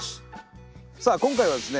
さあ今回はですね